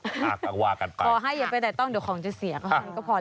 พอให้อย่าไปแต่ต้องเดี๋ยวของจะเสียก็พอแล้ว